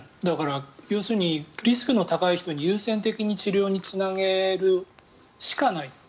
だから要するにリスクの高い人に優先的に治療につなげるしかない。